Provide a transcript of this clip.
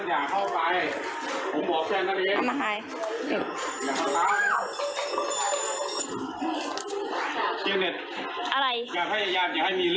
อยากให้ย้านอยากให้มีเรื่อง